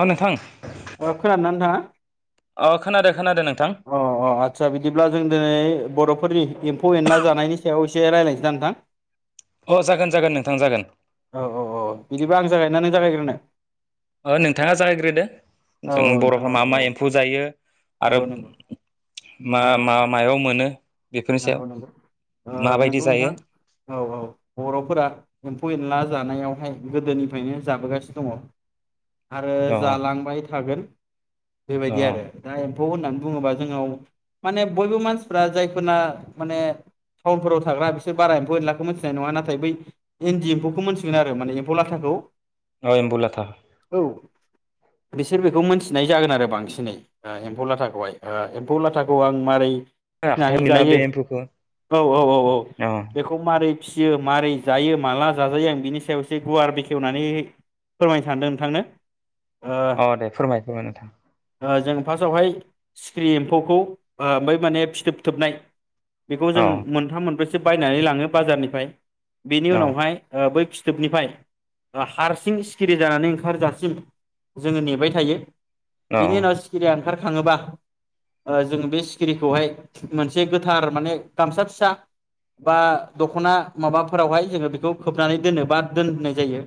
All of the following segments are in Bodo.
अ नोंथां ओ खोनादोंना नोंथाङा? अ खोनादों खोनादों नों अ अ आदसा बिदिब्ला जों दिनै बर' फोरनि एम्फौ एनला जानायनि सायाव एसे रायज्लायनोसै ना नोंथां? अ जागोन जागोन नोंथां जागोन। औ औ औ बिदिबा आं जागायनोना नों जागायग्रोनो? नोंथाङा जागायग्रोदो औ जों औ नोंथां बर'फ्रा मा औ मा औ एम्फौ जायो आरो नंगौ नंगौ मा नंगौ मा मायाव मोन नो नंगौ नंगौ नंगौ नोंथां जायो औ औ बर'फोरा एम्फौ एनला जानायावहाय गोदोनिफ्रायनो जाबोगासिनो दङ आरो अ जालांबाय थागोन अ बेबायदि आरो दा एम्फौ होननानै बुङोबा जोंनाव माने बयबो मानसिफ्रा जायखौ फोरना माने टाउनफोराव थाग्रा बिसोर बारा एम्फौ एनलाखौ मोनथिनाय नङा नाथाय बै इन्दि एम्फौखौ मोनथिगोन आरो माने एम्फौ लाथाखौ औ एम्फौलाथा औ बिसोर बेखौ मिथिनाय जागोन आरो बांसिनै एम्फौ लाथाखौहाय एम्फौ लाथाखौ आं मारै आखाइयाव फिनानै मोना जायो बे एम्फौखौ औ औ औ औ अ बेखौ मारै फिसियो मारै जायो माला जाजायो आं बिनि सायाव एसे गुवार बेखेवनानै फोरमायनो सानदों नोंथांनो ओ अ दे फोरमाय फोरमाय नोंथां जों फार्स्टावहाय सिखिरि एम्फौखौ ओमफ्राय माने फिथोब थोबनाय बेखौ जों अ मोनथाम मोनब्रैसो से बायनानै लाङो बाजारनिफ्राय बिनि अ उनावहाय ओ बै फि फिथोबनिफ्राय हारसिं सिखिरि जानानै ओंखारजासिम जोङो नेबाय थायो अ बिनि उनाव सिखिरिया ओंखार खाङोबा ओ जों बे सिखिरिखौहाय मोनसे गोथार माने गामसा फिसा बा दख'ना माबाफोरावहाय जोङो बेखौ खोबनानै दोनो बा दोननाय जायो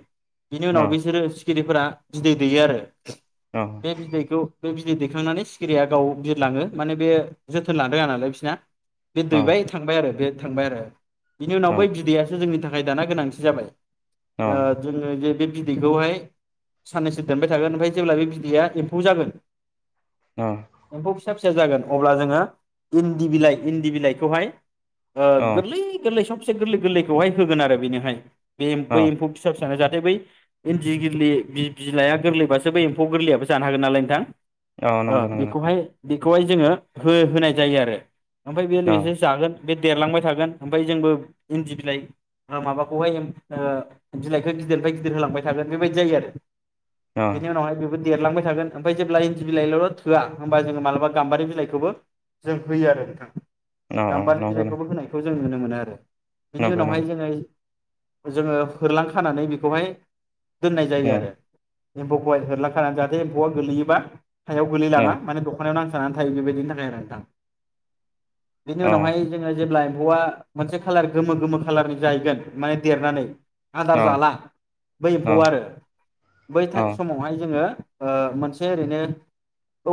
बिनि अ उनाव बिसोरो फिखिरिफोरा बिदै दैयो आरो अ बे बिदैखौ बे बिदै दैखांनानै सिखिरिया गाव बिरलाङो माने बे जोथोन लानो रोङा नालाय जाय बिसिना बे अ दैबाय थांबाय आरो बे थांबाय आरो बि उनावै बिदैयासो जोंनि थाखाय नै दाना गोनांथि जाबाय अ ओ जोङो जे बे बिदैखौहाय साननैसो दोनबाय थागोन ओमफ्राय जेब्ला बे बिदैया एम्फौ जागोन औ एम्फौ फिसा फिसा जागोन अब्ला जोङो इन्दि बिलाइ इन्दि बिलाइखौहाय ओ अ गोरलै गोरलै सम खबसे गोरलै गोरलैखौहाय होगोन आरो बेनोहाय बे अ बै एम्फौ फिसा फिसानो ज' जादों। दा बै इन्दि गोरल बिलाइाया गोरलैबासो बै एम्फौ गोरलैयाबो जानो हागोन नालाय नोंथां अ नंगौ ओ नंगौ नोंथां बेखौहाय बे बेखौहाय जोङो हो होनाय जायो आरो ओमफ्राय बेयो [unintelligible] अ बेजों जागोन बे देरलांबाय थागोन ओमफ्राय जोंबो इन्दि बिलाइ ए ओ माबाखौहाय बिलाइखौ गिदिरनिफ्राय गिदिर होलांबाय थागोन बेबायदि जायो आरो। अ बेनि उनावहाय बे देरलांबाय थागोन ओमफ्राय जेब्ला इन्दि बिलाइल' थोआ होमबा जोङो मालाबा गाम्बारि बिलाइखौबो जों होयो आरो नोंथां। अ अ गाम्बारि नंगौ नंगौ बिलायखौबो होनायखौ जों नुनो मोनो आरो बिनि नंगौ उनावहाय नंगौ जोङो जोङो होरलां खानानै बेखौहाय दोननाय जायो अ आरो। एम्फौखौहाय होरलां खानानै जाहाथे एम्फौआ गोलैयोबा सायाव गोलै अ लाङा माने दख'नायाव थानानै थायो बेबायदिनि थाखाय आरो बेनि अ उनावहाय जोङो जेब्ला एम्फौ आ मोनसे खालार गोमो गोमो खालार जाहैगोन माने देरनानै अ आदार जाला बै अ एफौ आरो बै अ समावहाय जोङो। ओ मोनसे ओरैनो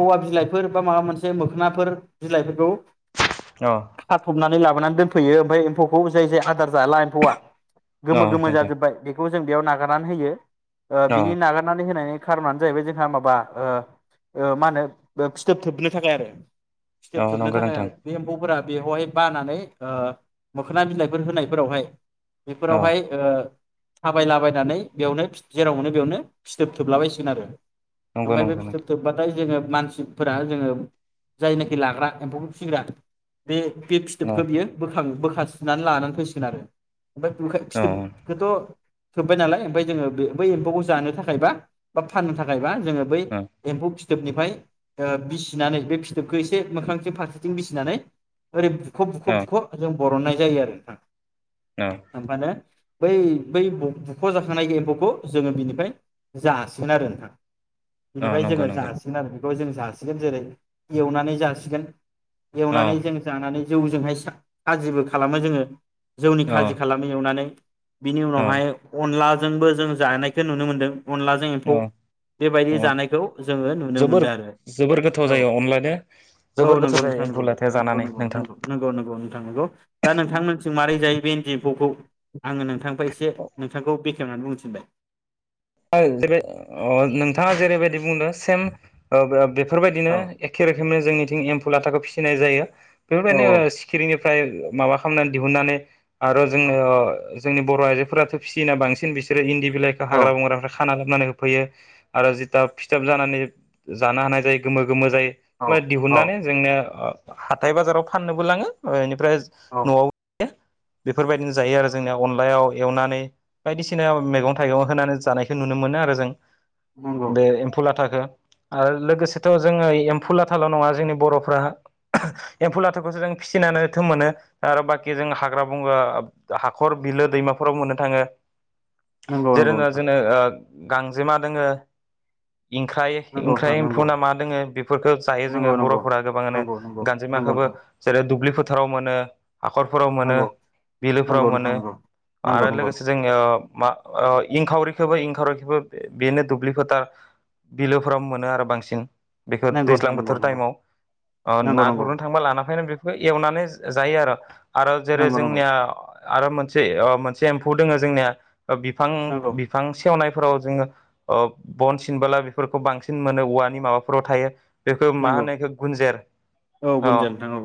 औवा बिलाइफोर बा माबा मोनसे मोखोनाफोर बिलाइफोरखौ अ खाथ'बनानै लाबो माबनानै दोनफैयो ओमफ्राय एम्फौखौ जाय जाय आदार जाला एम्फौआ गोमो गोमो नोंथां जाजोब्बाय बे बेखौ जों बेयाव नागारनानै होयो। ओ अ बिनि नागारनानै होनायनि खारनानो जाहैबाय जोंहा माबा ओ ओ मा होनो फिथोब थोबनो थाखाय आरो। अ फिथोब थोबनो नंगौ थाखाय आरो नोंथां बे एम्फौफोरा बेयावहाय बानानै ओ मोखोना बिलाइफोर होनायफोरावहाय अ बेफोरावहाय ओ थाबायलाबायनानै बेयावनो जेरावनो बेयावनो फिथोब थोबलाबायसिगोन आरो नंगौ ओमफ्राय बे नंगौ फिथोब नोंथां थोबबाथाय जोङो मानसिफोरा जोङो जायनो लाग्रा एम्फौखौ फिसिग्रा बे बे अ फिथोबखौ बियो बो बोखां बोखाथिनानै लानानै फैसिगोन आरो ओमफ्राय ओंखाय अ फिथोबखौथ' थोबबाय नालाय ओमफ्राय जोङो बे बै एम्फौखौ जानो थाखायबा बा फाननो थाखायबा जोङो बै अ एम्फौ फिथ फिथोबनिफ्राय ओ बिसिनानै बे फिथोब एसे मोखांसे फारसेथिं बिसिनानै ओरै बुखुब बुखुब जों बरननाय जायो आरो नोंथां अ होनबानो बै बै बुख' जाखांनाय एम्फौखौ जोङो बिनिफ्राय जासिगोन आरो नोंथां हा अ बिनिफ्राय नंगौ जोङो नंगौ जासिगोन आरो बेखौ जों जासिगोन जेरै एवनानै जासिगोन अ एवनानै जों जानानै जौजोंहाय सा खाजिबो खालामो जोङो जौनि अ खाजि खालामो एवनानै बिनि अ उनावहाय अनला जोंबो जों जानायखौ नुनो मोन्दों अनलाजों एम्फौ अ बेबायदि अ जानायखौ जोङो नुनो जोबोर मोनदों आरो जोबोर गोथाव औ जायो अनलाजों औ जोबोर गोथाव नंगौ जायो नोंथां एम्फौ नंगौ लाथाया नंगौं जानानै नंगौ नोंथां नंगौ नंगौ नोंथां नंगौ दा नोंथां मोनथिं जों मारै जायो बे इन्दि एम्फौखौ आङो नोंथांनिफ्राय एसे नोंथांखौ बेखेवनानै बुंनो थिनबाय नोंथाङा जेरैबायदि बुंदों सेम ओ बे बेफोरबायदिनो औ एखे रोखोमनो जोंनिथिं एमफु लाथाखौ फिसि फिनाय जायो [unintelligible] औ ओ सिखिरि फ्राय माबा खालामनानै दिहुननानै आरो जोङो जोंनि बर' आइजोफोराथ' फिसियोना बांसिन बिसोरो इन्दि बिलायखो औ हाग्रा बंग्रा नानै होफैयो आरो जिथिया फिथोब जानानै जानो हानाय जायो गोमो गोमो औ जायो औ दिहुननानै जोंनो हाथाय बाजाराव फाननोबो लाङो फ्राय औ न'आव बेफोरबायदिनो जायो आरो जोंनिया अनलायाव एवनानै बायदिसिना मैगं थाइगं होनानै जानाय बखौ नुनो मोनो आरो जों नंगौ बे एम्फौ लाथाखो आरो लोगोसेथ' जोङो एम्फौ लाथाल' नङा जोंनि बर'फ्रा एम्फौ लाथाखौसो जों फिसिनानै थो मोनो आरो बाखि जों हाग्रा बंग्रा हाखर बिलो दैमाफोराव मोननो थाङो नंगौ जेरै नंगौ नोंथां जोंनो ओ गांजेमा दङो इंख्राय नंगौ नोंथां इंख्राय नंगौ एम्फौना मा दोङो बेफोरखौ जायो जोङो नंगौ नंगौ बर'फोरा गोबाङानो नंगौ नंगौ नंगौ गानजेमाखौबो जेरै दुब्लि फोथाराव मोनो हाखरफोराव मोनो बिलोफोराव नोंथां मोनो नंगौ आरो नंगौ लोगोसे जोंनियाव मा ओ इंखावरि खौबो इंखारैखौबो बेनो दुब्लि फोथार बिलोफोराव मोनो आरो बांसिन बेखौ दैज्लां नोंथां नंगौ बोथोर नंगौ टाइमाव नंगौ ना नंगौ ओ नोंथां गुरनो थांबा लाना फै बे एवनानै जायो आरो आरो जेरै नंगौ नंगौ जोंनिया आरो मोनसे मोनसे एम्फौ दोङो जोंनिया बिफां नंगौ नंगौ बि सेवनायफोराव जोङो ओ बन सिनबोला बेफोरखौ बांसिन मोनो औवानि माबाफोराव थायो बेखौ मा नंगौ होनो बेखौ गन्जेर औ अ गुनजिया नोंथां औ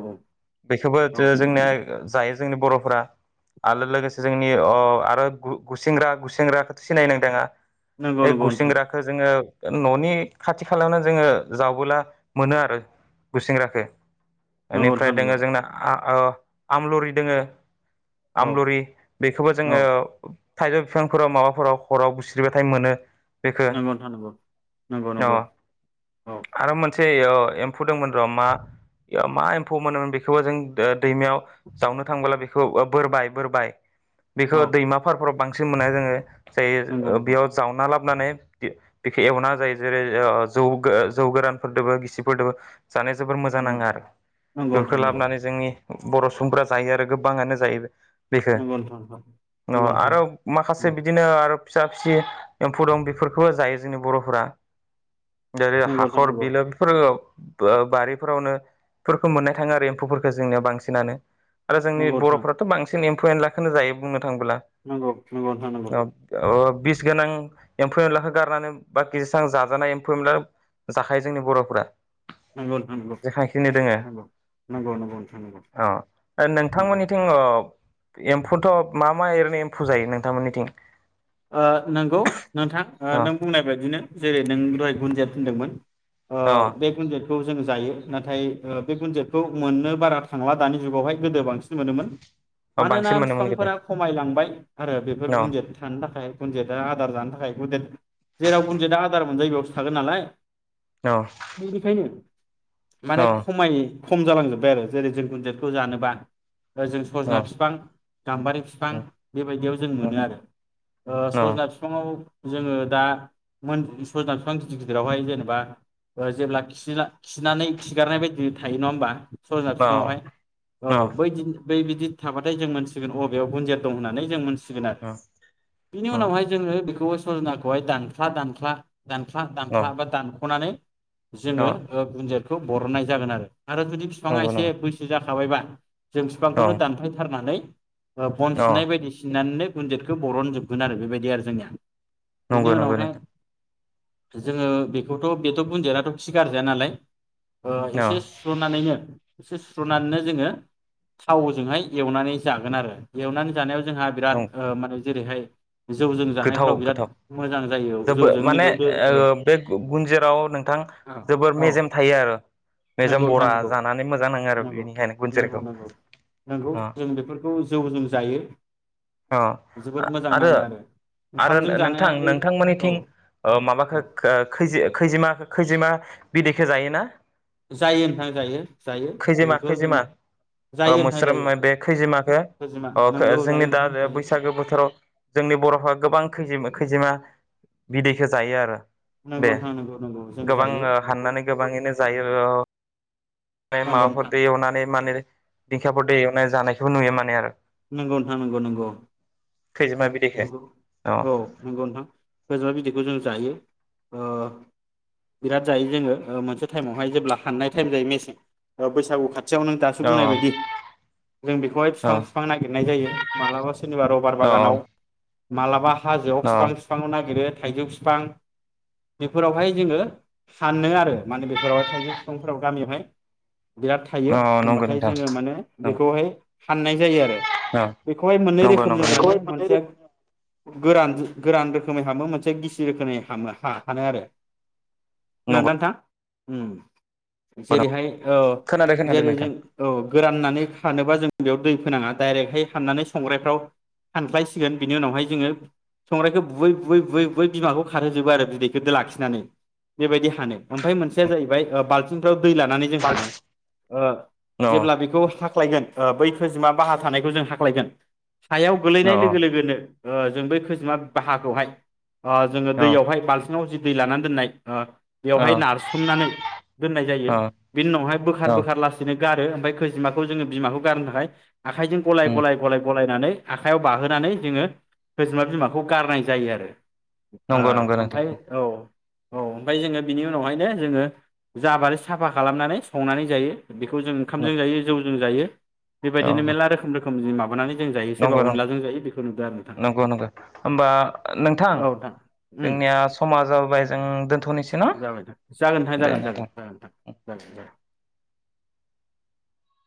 बेखौबो औ जोंनिया जा जोंनि बर'फोरा आरो लोगोसे जोंनि गुसेंग्रा गुसेंग्रा सिनायो नोंङा नंगौ बे नंगौ नोंथां गुसेंग्राखौ जोङो न'नि खाथि खालायावनो जोङो जावबोला मोनो आरो गुसंग्रखौ नंगौ बेनिफ्राय नोंथां नंगौ दोङो जोंना ओ आमलुरि दोङो औ आमलुरि बेखौबो औ जोङो थाइजौ बिफांफोराव मावाबा फोराव हराव बुस्रिबाथाय मोनो बेखौ नंगौ नोंथां नंगौ नंगौ नंगौ औ एसे एम्फौ दंमोन र' मा मा एम्फौ मोनोमोन बेखौबो जों दैमायाव जावनो थांबोला बेखौ बोरबाय बोरबाय बेखौ औ दैमाफोरारफोराव बांसिन [unintelligible] मोननाय जोङो नंगौ जायो नंगौ बेयाव जावबोला हाबनानै बेखौ एवना जायो ओ जेरै जौ जौ गोरानफोरदोबो गिसिफोरदोबो जानाया जोबोर मोजां नंगौ नाङो आरो बेफोरखौ नोंथां नंगौ लाबोनानै जोंनि बर' सुबुंफोरा जायो आरो गोबाङानो जायो। बेखो नोंथां अ नंगौ आरो माखासे बिदि बिदिनो आरो फिसा फिसि एम्फौ दं बेफोरखौबो जायो जोंनि बर'फोरा। जेरै नंगौ नोंथां हाखर नंगौ बिलो बेफोर ओ बारिफोरावनो बेफोरखौ मोननाय थाङो आरो एम्फौफोरखौ जोंनिया बांसिनानो। आरो जोंनि नंगौ नोंथां बर'फोराथ बांसिन एमफु एनलाखोनो जायो बुंनो नंगौ नंगौ नंगौ नोंथां नंगौ नोंथां नंगौ औ ओ बिस गोनां एम्फौ एनलाखौ गारनानै बाखि जेसां जाजानाय एम्फौ एनला जाखायो जोंनि बर'फोरा। नंगौ जेखांखिनि दोङो नंगौ नंगौ नोंथां नंगौ अ नंगौ नोंथांमोननिथिं अ एमफौथ मा मा ओरैनो एमफौ जायो नोंथांमोननिथिं? ओ नंगौ नोंथां ओ अ नों बुंनाय बायदिनो जेरै नों दहाय गुनजेत होनदोंमोन ओ अ बे गुनजेतखो जोंङो जायो। नाथाय ओ बे गुनजेतखौ मोननो बारा थांला दानि जुगावहाय गोदो बांसिन मोनोमोन। अ मानोना बांसिन मोनो मोनगोन दे बिफांफोरा खमायलांबाय आरो बेफोर औ गुनजेद गुनजिता आदार जानो थाखाय गुनजेत जेराव गुनजेता आदार मोनजायो बेयावसो थागोन नालाय। औ बिनिखायनो माने औ खमायो। खम जालांजोबबाय आरो जेरै जों गुनजेतखौ जानोबा जों औ सजना फिफां गामबारि फिफां बेबायदियाव जों मोनो आरो। ओ औ सजना बिफाङाव जोङो दा मोन सजना बिफां गिदिर गिदिरावहाय जेनेबा जेब्ला खिना खिनानै खिगारनाय बायदि थायो नङा होमबा सजना औ बिफाङावहाय औ बैदिन बै बिदि थाबाथाय जों मोनथिगोन अबेयाव गुनजित दं होननानै जों मोन थिसिगोन आरो बिनि औ उनावहाय जोङो बेखौबो सजनाखौहाय दानख्ला दानख्ला दानख्ला औ दानख्ला बा दानखनानै जोङो ओ गुनजित खौ बर'नाय जागोन आरो आरो जुदि बिफाङा नंगौ एसे नंगौ बैसो जा खाबायबा जों औ बिफांखौनो दानफायथारनानै ओ बन औ सिननाय बायदि सिननानैनो गुनजित बेखौ बर'न‌ जोबगोन आरो बेबायदि आरो जोंनिया बेनि नंगौ नंगौ उनावहाय नोंथांं जोङो बेखौथ' बेथ' गुनजिताथ' खि गारजाया नालाय ओ एसे सुस्र'नानैनो एसे सुस्र'नानैनो जोङो थावजोंहाय एवनानै जागोन आरो एवनानै जानायाव जोंहा बिराद औ ओ माने जेरैहाय जौजों गोथाव जानायफ्राव बिराद गोथाव मोजां जायो जोबो जौजों माने मिलौदो औ बे गुन्जिराव नोंथां औ जोबोर औ मेजेम थायो आरो मेजेम नंगौ नोंथां बरा नंगौ जानानै मोजां नाङो आरो नंगौ बेनिखायनो नंगौ गुनजिरखौ नंगौ नंगौ अ जों बेफोरखौ जौजों जायो अ जोबोद मोजां नाङो आरो आरो ओंखामजों नोंथां जानाय औ नोंथांमोननिथिं ओ माबाखो औ खैजे खैजिमाखो खैजे मा बिदेखो जायोना जायो नोंथां जायो जायो खैजिमा बेखौ जों खैजिमा जायो नोंथां जायो मोस्रोम बे खोजिमा खैजिमाखो नोंगौ जायो जोंनि दा नोंथां जायो बैसागो बोथोराव जोंनि बर'फ गोबां खैजि खैजिमा बिदैखो जायो आरो नंगौ दे नोंथां नंगौ नंगौ जों गोबां जायो बेखौ हाननानै औ गोबाङैनो जायो ओ बे नांगौ नोंथां माबाफोरफोरखौ एवनानै माने दिखलायें एवनाय जानायखौबो नुयो माने आरो नंगौ नोंथां नंगौ नंगौ खैजेमा बिदैखो नंगौ औ नंगौ नोंथां खोजिमा बिदैखौ जों जायो ओ बिराद जायो जोङो मोनसे टाइमावहाय जेब्ला फाननाय टाइम जायो मेसें बैसागु ख खाथियाव नों दासो औ बुंनाय बायदि जों बेखौहाय औ बिफां बिफां नागिरनाय जायो मालाबा सम सोरनिबा रबार औ बागानाव मालाबा हाजोआव औ फिफां फिफांआव नागिरो थाइजौ बिफां बेफोरावहाय जोङो सानो आरो माने बेफोरावहाय थाइजौ बिफांफोराव गामियावहाय बिराद थायो औ नंगौ होबाथाय नोंथां जोङो माने औ बेखौहाय फाननाय जायो आरो। औ बेखौहाय मोननै नंगौ रोखोम नंगौ जों नंगौ हानो मोनसे सेक गोरान गोरान रोखोमै हानो मोनसे गिसि रोखोमै हामो हानो आरो खोनादों नंगौ ना नोंथां जेरैहाय औ खोनादों खोनादों जेरै जों नोंथां औ गोराननानै हानोबा जों बेयाव दै फोनाङा डायरेक्टहाय हाननानै संग्रायफ्राव फाय बिनि उावहाय ज संखौ बुै बुै बुै बुयै बिमाखौ खारहोजोबो आरो बिदैखो लाखिनानै बेबायदि हानो ओमफ्राय मोनसेया जाहैबाय बालथिंफ्राव दै लानानै जों औ हानो जेब्ला बेखौ हाख्लायगोन बै खोजिमा बाहा थानायखौ जों हाख्लायगोन सायाव औ गोलैनाय लोगो जों बै खैजेमा बाहाखौहाय। जोङो औ दैयावहाय बालथिङाव जि दै लानानै दोननाय बेवहाय नारसोमनानै दोननाय जायो बिनि उनावहाय बोखार औ बोखार लासैनो गारो ओमफ्राय खैजिमाखौ जोङो बिमाखौ गारनो थाखाय आखाइजों गलाय उम गलाय गलाय गलायनानै आखायाव [unintelligible] नानै जोङो खैजेमा बिमाखौ गारनाय जायो आरो नंगौ नंगौ नोंथां ओमफ्राय औ। औ ओमफ्राय जोङो बिनि उनावहायनो जोङो जाबारि साफा खालामनानै संनानै जायो। बेखौ जों औ ओंखामजों जायो जौ जों जायो। बे बायदिनो मेरला रोखोम रोखोम माबा [unintelligible] जों जायो सोरबा नंगौ नंगौ अनलाजों जायो। बेखौ नुदों आरो नोंथां नंगौ नंगौ होमबा नोंथां उम जोंनिया समाजाबाय जों दोन्थ'नोसै जाबाय नोंथां न दे जागोन जागोन नोंथां जागोन जागोन